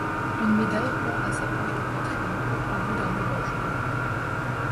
Une médaille pend à sa poche de poitrine au bout d'un ruban jaune.